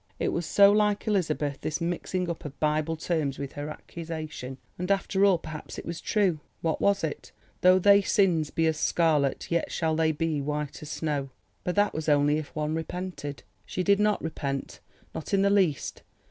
It was so like Elizabeth, this mixing up of Bible terms with her accusation. And after all perhaps it was true.—What was it, "Though thy sins be as scarlet, yet shall they be white as snow." But that was only if one repented. She did not repent, not in the least.